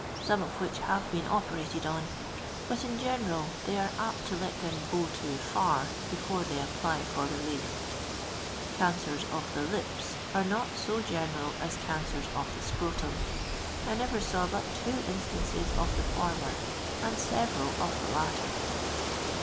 some of which have he»>n operated on ; but, in general, tliey are ap* t'» let them jid too far before they apply f'»r r.li f. Car.cers of the lips are n«.t wJ ;: r.er.il as caIa■' r^ of the KTotiim. I never saw hat two in.stai.cid of tiie foinior, and fr'.'vcral of ibt l;:fer.